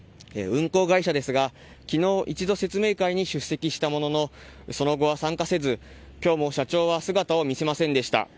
運航会社ですが、昨日一度説明会に出席したもののその後は参加せず、今日も社長は姿を見せませんでした。